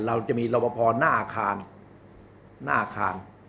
เราจะมีรอบพอหน้าอาคาร